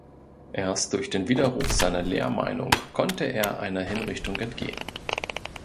Erst durch den Widerruf seiner Lehrmeinung konnte er einer Hinrichtung entgehen.